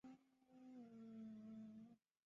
国军全面动员救灾